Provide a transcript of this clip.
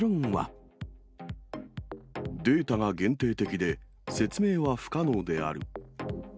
データが限定的で、説明は不可能である。